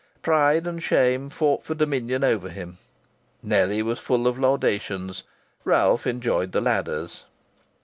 Pride and shame fought for dominion over him. Nellie was full of laudations. Ralph enjoyed the ladders.